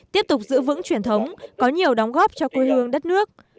tiếp tục giữ vững truyền thống có nhiều đóng góp cho quê hương đất nước